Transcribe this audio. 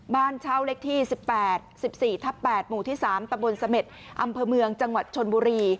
บ้านเช่าเลขที่๑๘๑๔ทับ๘หมู่ที่๓ตะบนเสม็ดอำเภอเมืองจังหวัดชนบุรี